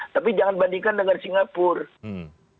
tapi jangan bandingkan dengan singapura